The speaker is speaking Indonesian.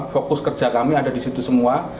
fokus kerja kami ada di situ semua